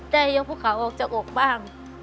ได้ยกพวกเขาออกจากอกบ้าง